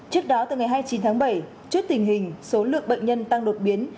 trước đó từ ngày hai mươi chín tháng bảy trước tình hình số lượng bệnh nhân tăng đột biến